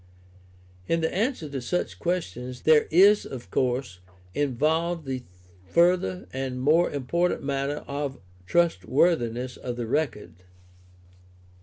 In the answer to such questions there is, of course, involved the further and more important matter of the trustworthiness of the record.